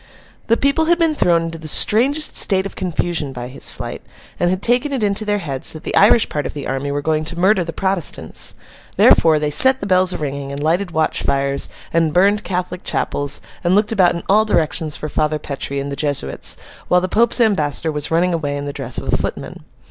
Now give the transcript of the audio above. The people had been thrown into the strangest state of confusion by his flight, and had taken it into their heads that the Irish part of the army were going to murder the Protestants. Therefore, they set the bells a ringing, and lighted watch fires, and burned Catholic Chapels, and looked about in all directions for Father Petre and the Jesuits, while the Pope's ambassador was running away in the dress of a footman.